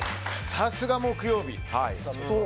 さすが木曜日！